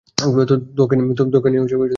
তোকে নিয়ে দুশ্চিন্তা হচ্ছে।